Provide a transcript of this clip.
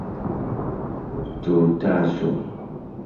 stultaĵo